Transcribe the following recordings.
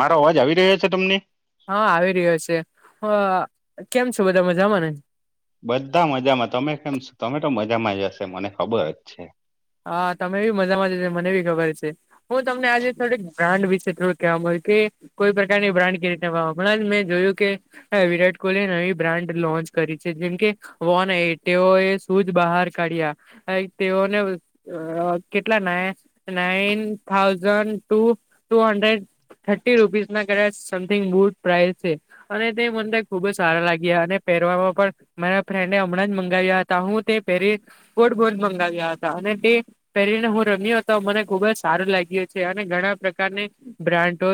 મારો અવાજ આવી રહ્યો છે તમને? હા, આવી રહ્યો છે. હ. કેમ છો? બધા મજામાં. બધા મજામાં. તમે કેમ છો? તમે તો મજામાં જ હશે, મને ખબર જ છે. હા, તમે બી મજામાં જ મને બી ખબર છે. હું તમને આજે થોડીક ગ્રાન્ડ વિશે થડું કેવા મળે કે કોઈ પ્રકારની બ્રાન્ડ કે રીતે હમણાં જ મેં જોયું કે વિરાટ કોહલીએ નવી બ્રાન્ડ લોન્ચ કરી છે, જેમ કે વોન એ તેઓએ શુઝ બહાર કાઢ્યા. તેઓને કેટલા ના nine thousand two two hundred thirty રૂપીસના કદાચ સમથિંગ બૂટ પ્રાઇસ છે. અને તે મને ખુબ જ સારા લાગ્યા અને પહેરવામાં પણ મારા ફ્રેન્ડને હમણાં જ મંગાવ્યા હતા. હું તે પહેરી ગોટ ગોડ મંગાવ્યા હતા અને એ પહેરીને હું રમ્યો હતો. મને ખુબ જ સારું લાગ્યું છે, અને ઘણા પ્રકારને બ્રાન્ડ તો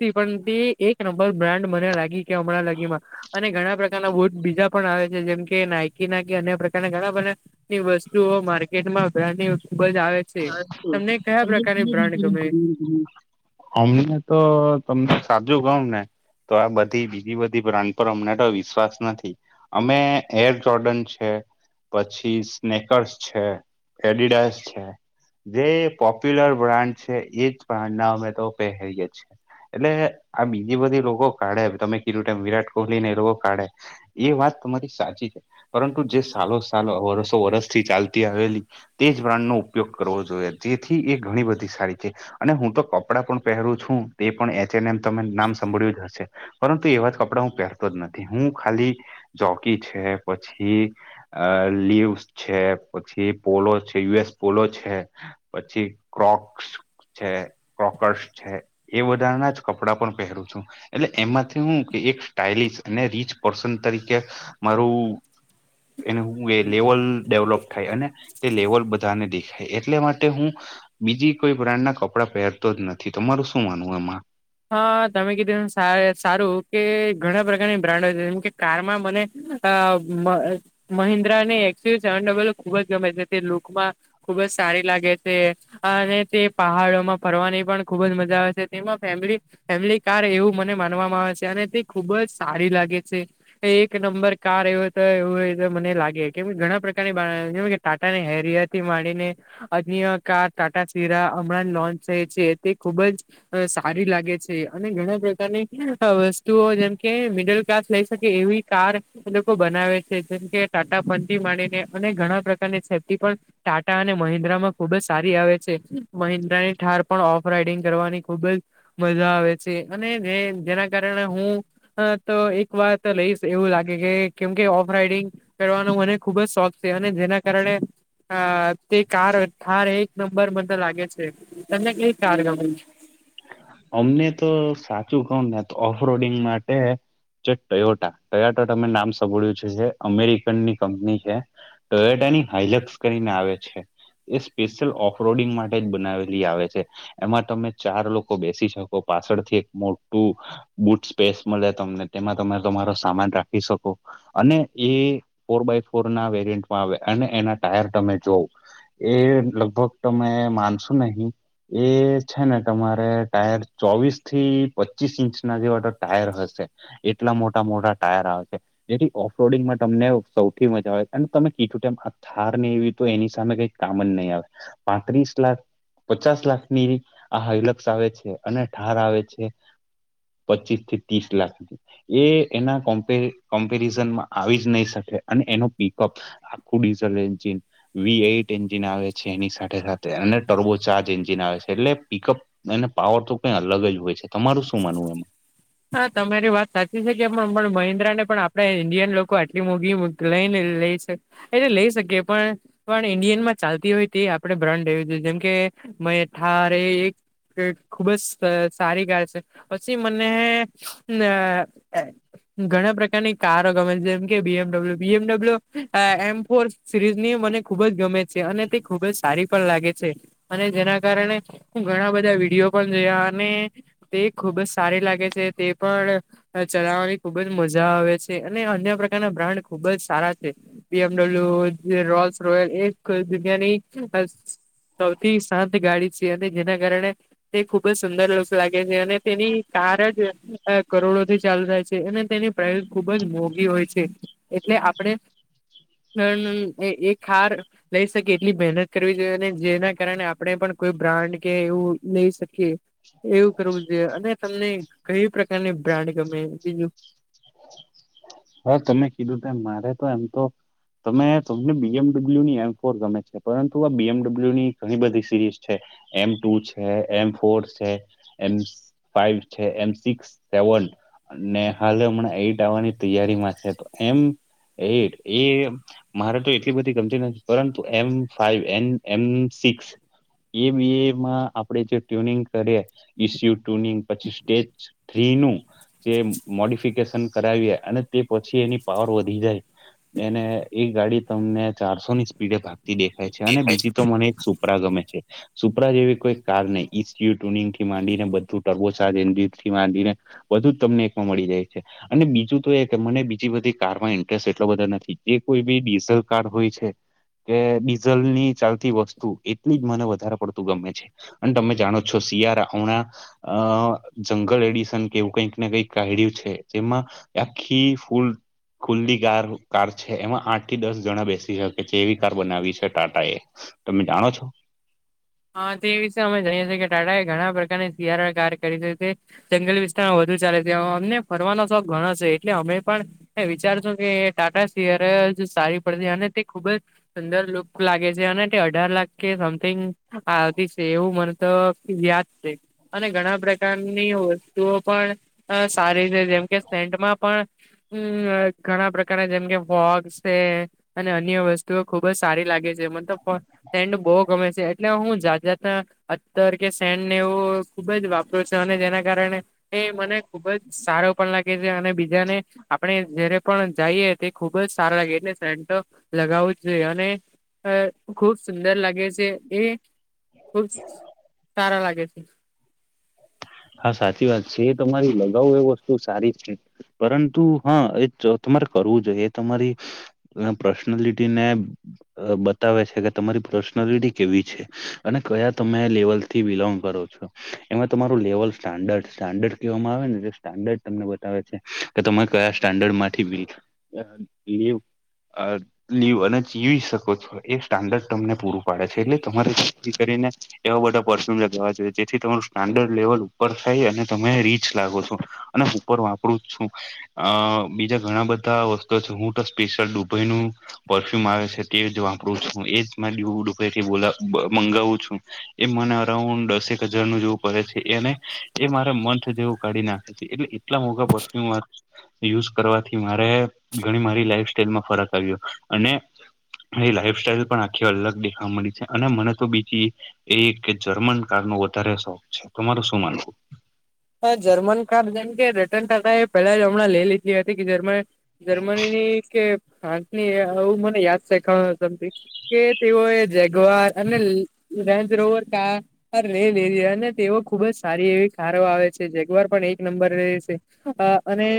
પણ તે એક નંબર બ્રાન્ડ મને લાગી કે હમણાં લગીમાં અને ઘણા પ્રકારના વોટ બીજા પણ આવે છે. જેમ કે નાયકી ના કે અન્ય પ્રકારના ઘણા બધા ની વસ્તુઓ માર્કેટમાં [unintelligible] ખુબ જ આવે છે. તમને કયા પ્રકારની બ્રાન્ડ ગમે [unintelligible] અમને તો તમને સાચુ કવ ને. તો આ બધી બીજી બધી બ્રાડ પર અમને તો વિશ્વાસ નથી. અમે એર જોર્ડન છે. પછી સ્નેકર્સ છે, એડિડાસ છે. જે પોપ્યુલર બ્રાન્ડ છે, એજ બાન્ડ ના અમે તો પહેરીએ છે. એટલે આ બીજી બધી લોકો કાઢે? તમે કીધું વિરાટ કોહલી ને, એ લોકો કાઢે? એ વાત તમારી સાચી છે. પરંતુ, જે સાલો સાલ, વરસો વરસથી ચાલતી આવેલી તેજ બ્રાન્ડનો ઉપયોગ કરવો જોઈએ. જો જેથી એ ઘણી બધી સારી છે. અને હું તો કપડાં પણ પહેરું છું તે પણ એચ એન એમ તમે નામ સાંભળ્યું જ હશે. પરંતુ એવા જ કપડા હું પહેરતો જ નથી. હું ખાલી ચોકી છે પછી અ લીવસ છે. પછી પોલો છે, યુ એસ પોલો છે. પછી ક્રોક્સ છે, ક્રોકર્સ છે. એ બધાના જ કપડાં પણ પહેરું છું. એટલે એમાંથી હું કે, એક સ્ટાઇલસ અને રીચ પર્સન તરીકે મારુ એને હું એ લેવલ ડેવલોપ થાય અને તે લેવલ બધાને દેખાય. એટલે માટે હું બીજી કોઈ બ્રાન્ડના કપડા પહેરતો જ નથી. તમારું શું માનવું આમાં. હા, તમે કીધું સારું કે ઘણા પ્રકારની બ્રાન્ડ જ જેમ કે કારમાં મને મહિન્દ્રાને એકટીવ સેવન ડવલપ ખુબ જ ગમે છે. તે લોકમાં ખુબ જ સારી લાગે છે. અને તે પહાડોમાં ફરવાની પણ ખુબ જ મજા આવે છે. તેમાં ફેમિલી ફેમિલી કાર એવું મને માનવામાં આવે છે. અને તે ખુબ જ સારી લાગે છે. એક નંબર કાર એવ તો એવું મને લાગે. કેમ ઘણા પ્રકારની ટાટાને હેરિયાથી માંડીને અન્ય કાર ટાટા સીરા હમણાં લોન્ચ થાય છે તે ખુબ જ સારી લાગે છે. અને ઘણા પ્રકારની વસ્તુઓ જેમ કે મિડલ ક્લાસ લઈ શકે એવી કાર. એ લોકો બનાવે છે જેમ કે ટાટા ફનથી માંડીને અને ઘણા પ્રકારની છેથી પણ ટાટા અને મહિન્દ્રા માં ખુબ જ સારી આવે છે મહિન્દ્રાની ઠાર પણ ઓફ રાઈડિંગ કરવાની ખુબ જ મજા આવે છે અને જેના કારણે હું. હા તો એક વાત લઈશ એવું લાગે કે કેમ કે ઓફ રાઈડિંગ. કરવાનો મને ખુબ જ શોખ છે અને જેના કારણે. હ તે કાર હાર એક નંબર મ લાગે છે તમને કઈ કાર ગમે. અમને તો સાચું કોણ ને ઓફ રડિંગ માટે. જે ટયોટા ટયોટા તમે નામ સાભોળ્યું છે જે અમેરિકનની કંપની છે. ટયોટાની હાઈલટસ કરીને આવે છે. એ સ્પેશિયલ ઓફ રડિંગ માટે જ બનાવેલી આવે છે એમાં તમે ચાર લોકો. બેસી શકો પાછળથી એક મોટું. બુટ સ્પેસ મળે તમને તેમાં તમે તમારો સામાન રાખી શકો. અને એ ફોર બાય ફોર ના વેરિયન્ટમાં આવે અને એના ટાયર તમે જોવ એ લગભગ તમે માનશો નહી એ છે ને તમારે. ટાયર ચોવીસ થી પચીસ ઇંચ ના જેવાો ટાયર હશે. એટલા મોટા મોટા ટાયર આવે છે. જેથી ઓફરોડિંગમાં તમને સૌથી મજા આવે અને તમે કીમ હાર ને એવી તો એની સામે કઈક કામન નહીં આવે પાંત્રીસ લાખ.. પચાસ લાખ ની આ હલક્ષ આવે છે અને ઠાર આવે છે. પચીસ થી ત્રીસ લાખ સુ એ એના કો્ કોમ્પેરિઝનમાં આવી જ નહી શકે અને એનો પિકઅપ આખુંડીસન્ચીન વી એઈટ એન્જિન આવે છે એની સાથે સાથે અને ટર્ગો ચાર્જ એન્જિન આવે છે. એટલે પિકઅપ એને પાવર તો કઈ અલગ જ હોય છે. તમારું શું માનવું એમાં હા તમારી વાત સાચી છે કે પણ મહિન્દ્રા ને પણ આપડે ઈન્ડિયન લોકો આટલી મોઘી લઈને લઈ શ એટલે લઈ શકીએ પણ. પણ ઇન્ડિયન માં ચાલતી હોય તે આપણે બ્રાન્ડે જો જેમકે મ એ એક ખુબ જ સારી ગળ છે પછી મને. ઘણા પ્રકારની કારો ગમે છે જેમ કે BMW BMW M four series ની મને ખુબ જ ગમે છે અને તે ખુબ જ સારી પણ લાગે છે. અને જેના કારણે હું ઘણા બધા વિડીયો પણ જોયા અને તે ખુબ જ સારી લાગે છે તે પણ. ચલાવવાની ખુબ જ મજા આવે છે અને અન્ય પ્રકારના બ્રાન્ડ ખુબ જ સારા છે. પીએમડબલ્યુ જે રોયલ્સ રોયલ એક જગયાની. સૌથી શાંત ગાડી છે અને જેના કારણે. તે ખુબ જ સુંદર લુક લાગે છે અને તેની કાર જ કરોડો થી ચાલુ થાય છે અને તેની પ્રાઇસ ખુબ જ મોંઘી હોય છે. એટલે આપડે એ હાર. લઈ શકીએ એટલી મહેનત કરવી જોઈએ અને જેના કારણે આપણે પણ કોઈ બ્રાન્ડ કે એવું લઈ શકીએ. એવું કરવું જોઈએ અને તમને કઈ પ્રકારની બ્રાન્ડ ગમે બીજું. હા તમે કીધું ત મારે તો એમ તો. તમે તમને બીએમડબલ્યુની એમ ફોર ગમે છે, પરંતુ આ બીએમડબલ્યુની ઘણી બધી સીરીઝ છે, એમ ટુ છે, એમ ફોર છે, એમ ફાઈવ છે, એમ સિક્સ સેવન, અને હા હમણાં એઈટ આવવાની તૈયારીમાં છે, તો એમ એ એ મારે તો એટલી બધી ગમતી નથી પરંતુ એમ ફાઈવ એ એમ સિક્સ એ બી એમાં આપડે જે ટ્યુનિંગ કરીએ, ઈસ્યુ ટ્યુનિંગ પછી સ્ટેજ થ્રીનું જેમ મોડિફિકેશન કરાવી અને તે પછી એની પાવર વધી જાય એને એ ગાડી તમને ચારસોની સ્પીડે ભાગતી દેખાય છે, અને બીજી તો મને એક પરાગમે છે. સુપરા જેવી કોઈ કાર નથી માંને બધુંરબોથી માંને બધુ જ તમને એકમાં મળી જાય છે, અને બીજું તો એ કે મને બીજી બધી કારમાં ઇન્ટરેસ્ટ એટલો બધો નથી, જે કોઈ બી ડીઝલ કાર હોય છે. કે ડીઝલ ની ચાલતી વસ્તુ એટલી જ મને વધારે પડતું ગમે છે, અને તમે જાણો છો શિયાારા ઉણા અ જંગલ એડિશન કે એવું કઈક ને કઈક કાઢ્યું છે, જેમાં આખી ફૂલ ખુલ્લી કાર કાર છે, એમાં આઠ થી દસ જણા બેસી શકે છે એવી કાર બનાવી છે, ટાટા એ તમે જાણો છો? હા, તે વિશે અમે જઈએ છીએ કે ટાટા એ ઘણા પ્રકારની સીયારા કાર કરી છે. જંગલી વિસ્તારમાં વધુ ચાલે છે, અમને ફરવાનો શોખ ઘણો છે એટલે અમે પણ હ વિચારશો કે ટાટા સિયારા જ સારી પડતી અને તે ખૂબ જ સુંદર લુક લાગે છે, અને તે અઢાર લાખ કે સમથિંગ હા, છે એવું મને તો યાદ છે. અને ઘણા પ્રકારની વસ્તુઓ પણ અ સારી રીતે જેમ કે સેન્ટમાં પણ હમ્મ ઘણા પ્રકારના જેમ કે વોક્ષ છે. અને અન્ય વસ્તુઓ ખુબ જ સારી લાગે છે, મતલબ સેન્ડ બહુ ગમે છે. એટલે હું જાત જાતના અતર કે સેન્ટને એવો ખુબ જ વાપરૂ છે અને જેના કારણે એ મને ખુબ જ સારો પણ લાગે અને બીજાને આપણે જયારે પણ જઈએ તે ખુબ જ સારા લાગે એટલે સેન્ટ લગાવવું જોઈએ અને ખુબ સુંદર લાગે છે. એ ખુબ સારા લાગે છે. હા, સાચી વાત છે એ તમારી લગાવું એ વસ્તુ સારી છે. પરંતુ હા એ તમારે કરવું જોઈએ એ તમારી એ પર્સનાલિટી ને અ બતાવે છે, કે તમારી પર્સનાલિટી કેવી છે અને કયા તમે લેવલથી બિલોંગ કરો છો. એમાં તમારૂ લેવલ સ્ટાન્ડર્ડ સ્ટાન્ડર્ડ કેહવામાં આવે બતાવે તમે કયા સ્ટાન્ડર્ડ [unintelligible] લીવ અને જીવી શકો છો એ સ્ટાન્ડર્ડ તમને પૂરું પાડે છે, એટલે તમારે જેથી કરીને એવા બધા પરફ્યુમ લગાવા જોઈએ, જેથી તમારું સ્ટાન્ડર્ડ લેવલ ઉપર થાય અને તમે રીચ લાગો છો અને ઉપર વાપરું જ છું. અ બીજા ઘણા બધા વસ્તુ છે હું તો સ્પેશિયલ દુબઈનું પરફ્યુમ આવે છે તે જ વાપરું છું એજ દુબઈથી ગુલાબ મંગાવું છું. એ મને અરાઉન્ડ દસેક હજાર નું જેવું પડે છે. એને એ મારે મંથ જેવું કાઢી નાખે છે, એટલે એટલા મોંઘા પરફ્યુમ યુઝ કરવાથી મારે ઘણી મારી લાઈફ સ્ટાઈલમાં ફરક આવ્યો અને એ લાઈફ સ્ટાઈલ પણ આખી અલગ દેખાવા મળી છે અને મને તો બીજી એ એક કે જર્મન કાર નો વધારે શોખ છે તમાર શું માનવું? હ જર્મન કાર જેમ કે રિટન ટાતા એ પહેલા હમણાં લઇ લીધી હતી કે જર્મન જર્મની ની કે ફ્રાન્સની આવું મને યાદ શેખ [inaudible] કે તેઓ એ જેગવાર અને રેન્જરોવર કાર અરે [inaudible] અને તેઓ ખુબ જ સારી એવી કારો આવે. છે જેગવાર પણ એક નંબર રહે છે અ અને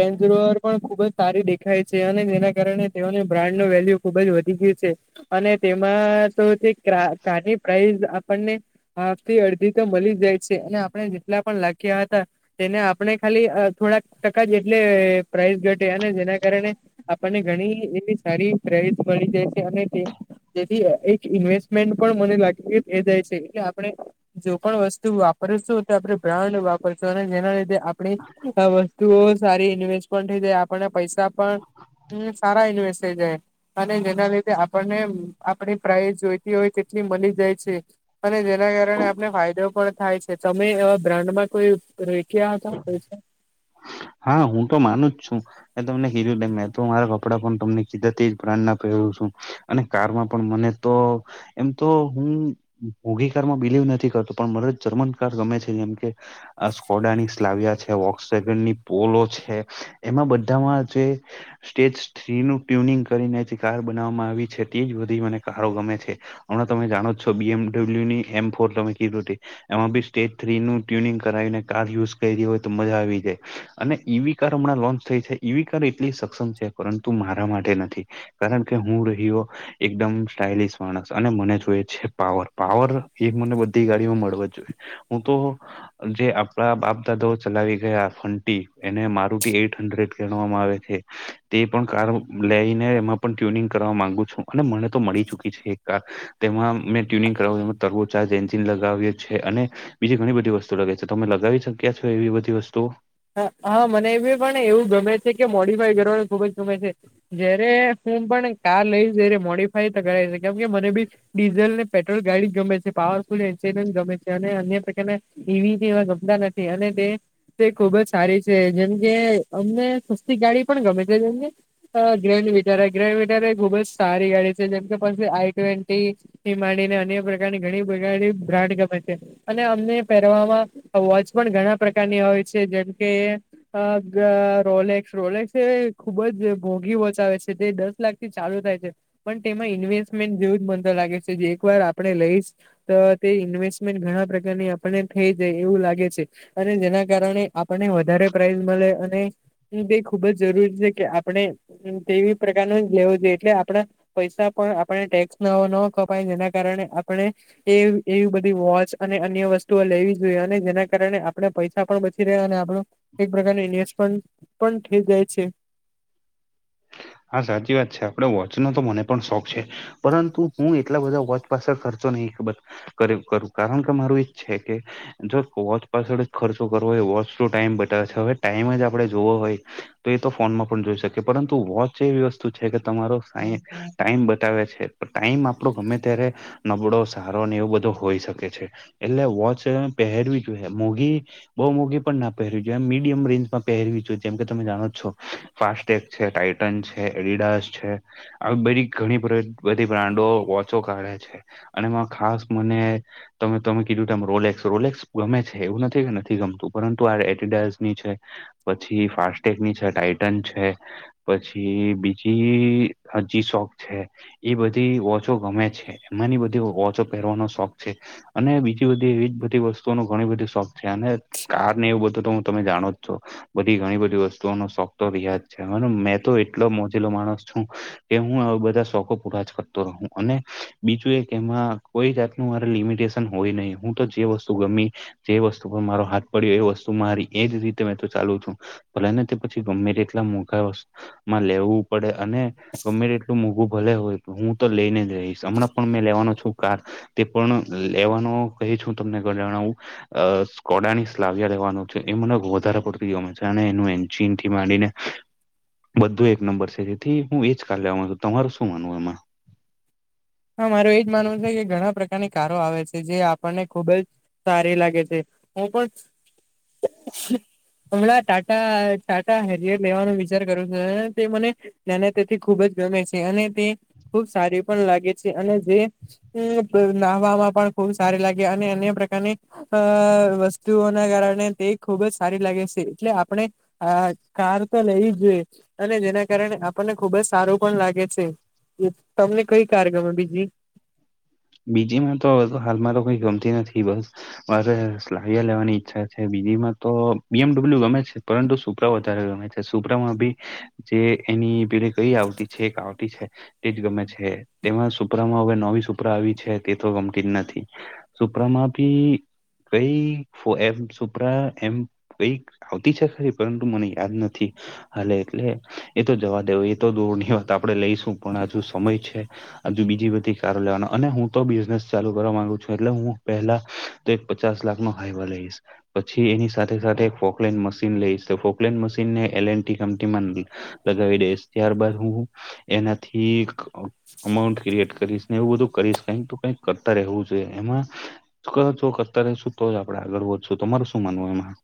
રેન્જરોવર પણ ખુબ જ સારી દેખાય છે. અને જેના કારણે તેઓની બ્રાન્ડનું વેલ્યુ ખુબ જ વધી ગયું છે. અને તેમાં તો તે ક્રા કારની પ્રાઈઝ આપણને હાથી અડધી તો મલી જાય છે અને આપણે જેટલા પણ લાખ્યા હતા. તેને આપણે ખાલી અ થોડાક ટકા જ એટલે પ્રાઇસ ઘટે અને જેના કારણે આપણને ઘણી એવી સારી પ્રેરિત મળી જાય છે અને તે જેથી એ ઇન્વેસ્ટમેન્ટ પણ મને લાગે એ એ જાય છે કેમ કે આપણે જો પણ વસ્તુ વાપર સુ તે આપણે બ્રાન્ડ વાપરશું અને જેના લીધે આપણી આવ તો સારી ઇન્વેસ્ટ પણ થઇ જાય આપણે પૈસા પણ સારા ઇન્વેસ્ટ થઈ જાય. અને જેના લીધે આપણને આપણી પ્રાઈઝ જોઈતી હોય તેટલી મલી જાય છે. અને જેના કારણે આપને ફાયદો પણ થાય છે તમે અ બ્રાન્ડમાં કયું રોય ક્યા હતા પૈસા? હા હું તો માનું જ છું. મેં તમને કીધું તેમ મેં તો મારા કપડાં પણ તમને કીધા તે જ બ્રાન્ડના પહેરું છું. અને કારમાં પણ મને તો એમ તો હું ભોગી કારમાં બિલીવ નથી કરતો પણ મને જર્મન કાર ગમે છે જેમ કે આ સ્કોડાની સાલ્વયા છે ઓક્સેકન્ડની પોલો છે એમાં બધામાં જે સ્ટેજ થ્રી નું ટ્યુનિંગ કરીને જે કાર બનાવવામાં આવી છે તે જ બધી મને કારો ગમે છે. હમણાં તમે જાણો જ છો બીએમડબલ્યુની એમ ફોર તમે કીધું તે એમાં બી સ્ટેજ થ્રી નું ટ્યુનિંગ કરાવીને કાર યુઝ કરયી હોય તો મજા આવી જાય. અને ઈવી કાર હમણાં લોન્ચ થઈ છે ઈવી કાર એટલી સક્ષમ છે પરંતુ મારા માટે નથી. કારણ કે હું રહીયો. એકદમ સ્ટાઇલિશ માણસ અને મને જોયે છે પાવર પાવર એ મને બધી ગાડીમાં મળવા જ જોઈએ. હું તો જે આપણા બાપ દાદાઓ ચલાવી ગયા ફંટી એને મારુટી એઈટ હન્ડ્રેડ કેહવામાં આવે છે. તે પણ કાર લઈને એમાં પણ ટ્યુનિંગ કરવા માંગુ છું અને મને તો મળી ચુકી છે. કાર તેમાં મેં ટ્યુનિંગ કરવામાં તરવો ચાર્જ એન્જિન લગાવ્યો છે અને બીજી ઘણી બધી વસ્તુ લગાવી છે તમે લગાવી શક્યા છો એવી બધી વસ્તુઓ? હા હા મને એ પણ એવું ગમે છે કે મોડિફાય કરવાનું ખુબ જ ગમે છે. જયારે હું પણ કાર લઈશ જ્યારે મોડીફાય તો કરાવીશ છે કેમ કે મને બી ડીઝલ ને પેટ્રોલ ગાડી ગમે છે પાવરફુલ એન્સેટન ગમે છે અને અન્ય પ્રકારના ઈવી કે એવા ગમતા નથી અને તે ખૂબ જ સારી છે જેમ કે અમને સસ્તી ગાડી પણ ગમે છે જેમ કે અ ગ્રેન્ડ વિટર એ ગ્રેન્ડ વિટર એ ખુબ જ સારી ગાડી છે જેમ કે પસે આઈ ટ્વેન્ટી. એ માંડીને અન્ય પ્રકારની ઘણી બ ગાડી બ્રાન્ડ ગમે છે. અને અમને પેરવામાં વોચ પણ ઘણા પ્રકારની હોય છે જેમ કે અ ગ રોલેક્સ રોલેક્સ એ ખૂબ જ મોઘી વોચ આવે છે તે દસ લાખ થી ચાલુ થાય છે પણ તેમાં ઇન્વેસ્ટમેન્ટ જેવું જ મન તો લાગે છે જે એક વાર આપણે લઈશ. તો તે ઇન્વેસ્ટમેન્ટ ઘણા પ્રકારની આપણને થઈ જાય એવું લાગે છે અને જેના કારણે આપણને વધારે પ્રાઇઝ મલે અને એ તે ખૂબ જ જરૂરી છે કે આપણે તેવી પ્રકારનું જ લેવું જોઈએ એટલે આપડા પૈસા પણ આપણે ટેક્સ ન ન કપાય જેના કારણે આપણે. એ એવી બધી વોચ અને અન્ય વસ્તુઓ લેવી જોઈએ અને જેના કારણે આપણે પૈસ આપણો બચી રે અને આપણો એક પ્રકારનો ઇન્વેસ્ટ પન પન થઈ જાય છે. હા સાચી વાત છે આપડે વોચનો તો મને પણ શોખ છે. પરંતુ હું એટલા બધા વોચ પાસળ ખર્ચો નહી ખબર. કર કરું કારણ કે મારું એ જ છે કે. જો વોચ પાછળ જ ખર્ચો કરવો હોય વોચ ટાઈમ બતાવે છે હવે ટાઈમ જ આપડણે જોવો હોય. તો એ તો ફોનમાં પણ જોઈ શકે પરંતુ વોચ એવી વસ્તુ છે કે તમારો સા ટાઈમ બતાવે છે, ટાઈમ આપણો ગમે ત્યારે નબળો સારો ને એવું બધો હોઈ શકે છે, એટલે વોચ પહેરવી જોઈએ મોઘી બહુ મોઘી પણ ના પહેરવી જોઈએ એમ મીડિયમ રેન્જમાં પહેરવી જેમ કે તમે જાણો છો ફાસ્ટટેગ છે ટાઈટ ટન છે, એડિડાસ છે, આ બધી ઘણી બધી બ્રાન્ડો વોચો કાઢે છે. અને એમાં ખાસ મને તમે તમે કીધું તમ રોલેક્સ રોલેક્સ ગમે છે, એવું નથી કે નથી ગમતું પરંતુ આ એડિડાસની છે પછી ફાસ્ટટેગની છે, ટાઈટન છે, પછી બીજી હજી શોખ છે. એ બધી વોચો ગમે છે, એમાંની બધી વોચો પહેરવાનો શોખ છે અને બીજી બધી એવી જ બધી વસ્તુઓ ન ઘણી બધી શોખ છે, અને કાર ને એવું બધું તો હું તમે જાણો જ છો બધી ઘણી બધી વસ્તુઓનો શોખ તો રિયા જ છે, હ મે તો એટલો મોજેલો માણસ છું. કે હું બધા શોકો પૂરા જ કરતો રહું અને બીજું એક એમાં કોઈ જાતનું મારે લિમિટેશન હોય નહીં હું તો જે વસ્તુ ગમી જે વસ્તુ પર મારો હાથ પડ્યો એ વસ્તુ મારી એજ રીતે મેં તો ચાલુ છું. ભલેને તે પછી ગમે તેટલા મોઘામાં લેવું પડે અને ગમે તેટલા મોંઘું ભલે હોય હું તો લઈને જ રહીશ હમં પણ મેં લેવાનો છું કાર તે પણ લેવાનો કહી છું, તમને ઘડાણાવું અ સ્કોડાની સલાવ્યા લેવાનું છે, એ મને વધારે પડતું ગમે છે, અને એનું એન્જિન થી માંડીને બધું એક નંબર છે, જેથી હું એ જ કારલેેવા છું, તમારું શું માનવું એમાં? હા મારું એજ માનવું છે કે ઘણા પ્રકારની કારો આવે છે જે આપણને ખુબ જ સારી લાગે છે હું પણ હમણાં ટાટા ટાટા હેરિયર લેવાનો વિચાર કરું છું તે મને અને તેથી ખૂબ જ ગમે છે, અને તે ખુબ સારી પણ લાગે છે, અને જે એ નાહવામાં પણ ખુબ સારી લાગે અને અન્ય પ્રકારની અ વસ્તુઓના કારણે તે ખુબ જ સારી લાગે છે, એટલે આપણે હા કાર તો લઈ જોઈએ અને જેના કારણે આપણને ખુબ જ સારું પણ લાગે છે. એ તમને કઈ કાર ગમે બીજી? બીજી માં તો હાલમાં તો કઈ ગમતી નથી બસ મારે સ્લાવિયા લેવાની ઈચ્છા છે બીજી માં તો બી એમડબલ્યુ ગમે છે. પરંતુ સુપરા વધારે ગમે છે, સુપરામાં બી જે એની પેરે કઈ આવતી છે, એક આવતી છે, તેજ ગમે છે, તેમાં સુપ્રામાં હવે નવી સુ પરા આવી છે, તે તો ગમતી જ નથી સુપરામાં ભી કઈ એમ સુપરા એમ કઈ આવતી છે, ખરી પરંતુ મને યાદ નથી હાલે એટલે એતો જવા દેવ એતો દોર ની વાત આપડે લઈશું પણ હજુ સમય છે. હજુ બીજી બધી કારો લેવાનો અને હું તો બિઝનેસ ચાલુ કરવા ગુ છું, એટલે હું પહેલા તો એક પચાસ લાખ નો હાઈવા લઈશ પછી એની સાથે સાથે ફોકલેન મશીન લઈસ ફોકલેન મશીનને એલ એન ટી કંપનીમાં લગાવી દઈશ ત્યારબદ હું એનાથી અમાઉન્ટ ક્રિએટ કરીશ ને એવું બધું કરીશ કઈક તો કઈક કરતા રહેવું છે, એમાં [unintelligible] કરતા રહેશું તો આપણે આગળ વધશું તમાર શું માનવું એમાં?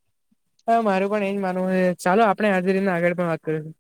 હા મારું પણ એ જ માનવું ચાલો આપણે હાજરીને આગળ પણ વાત કરીશું.